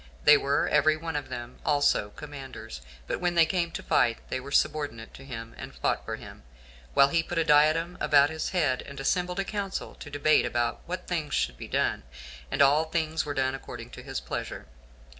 They were every one of them also commanders; but when they came to fight, they were subordinate to him, and fought for him, while he put a diadem about his head, and assembled a council to debate about what things should be done, and all things were done according to his pleasure.